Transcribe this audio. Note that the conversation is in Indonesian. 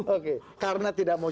oke karena tidak mau